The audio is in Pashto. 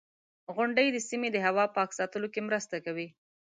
• غونډۍ د سیمې د هوا پاک ساتلو کې مرسته کوي.